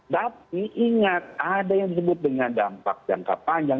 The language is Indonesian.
tapi ingat ada yang disebut dengan dampak jangka panjang